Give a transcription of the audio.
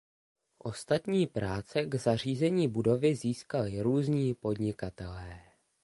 Ostatní práce k zařízení budovy získali různí podnikatelé.